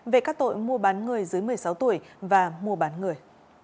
về các tội mua bán người dưới một mươi sáu tuổi và mua bán người